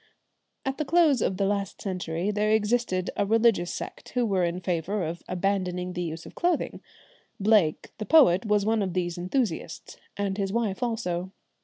At the close of the last century there existed a religious sect who were in favour of abandoning the use of clothing. Blake, the poet, was one of these enthusiasts, and his wife also.